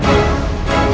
aku sudah menang